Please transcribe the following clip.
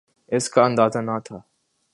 اس کا اندازہ نہ تھا۔